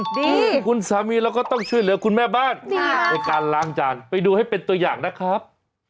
ดีคุณสามีเราก็ต้องช่วยเหลือคุณแม่บ้านในการล้างจานไปดูให้เป็นตัวอย่างนะครับ